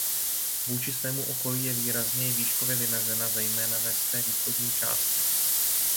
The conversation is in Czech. Vůči svému okolí je výrazněji výškově vymezena zejména ve své východní části.